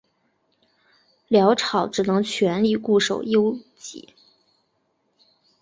辽朝只能全力固守幽蓟。